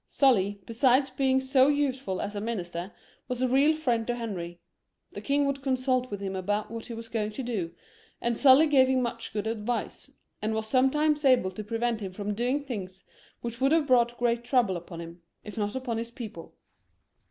Sully, besides being so useful as a minister, was a real friend to Henry. 310 HENRY IV. [CH. The king would consult with him over what he was going to do, and SuUy gave him much good advice, and was sometimes able to prevent him from doing things which would have brought great trouble upon him if not upon his people.